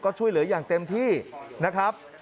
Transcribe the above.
ก็ช่วยเหลืออย่างเต็มที่นะครับ